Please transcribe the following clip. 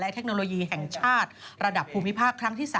เทคโนโลยีแห่งชาติระดับภูมิภาคครั้งที่๓